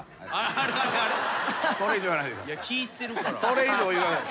それ以上言わない。